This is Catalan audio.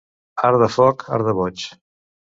Art de foc, art de boig.